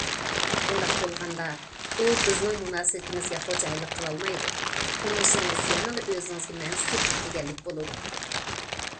بۇنداق بولغاندا، ئۇ بىزنىڭ مۇناسىۋىتىمىزگە خوجايىنلىق قىلالمايدۇ، تۇرمۇشىڭىز يەنىلا ئۆزىڭىزگە مەنسۇپ دېگەنلىك بولىدۇ.